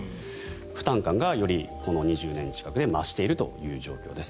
負担感が、よりこの２０年近くで増しているという状況です。